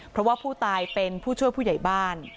เพราะว่าผู้ตายเป็นผู้ช่วยผู้ใหญ่บ้าน